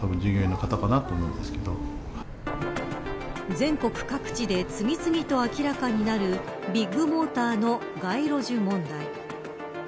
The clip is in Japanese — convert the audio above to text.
全国各地で次々と明らかになるビッグモーターの街路樹問題。